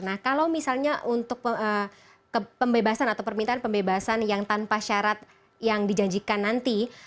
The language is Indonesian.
nah kalau misalnya untuk pembebasan atau permintaan pembebasan yang tanpa syarat yang dijanjikan nanti